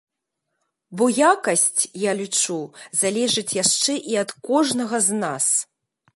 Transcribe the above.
Бо якасць, я лічу, залежыць яшчэ і ад кожнага з нас.